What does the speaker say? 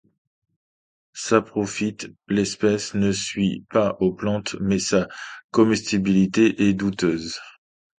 Saprophyte, l'espèce ne nuit pas aux plantes mais sa comestibilité est douteuse.